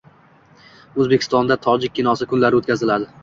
O‘zbekistonda "Tojik kinosi kunlari" o‘tkaziladi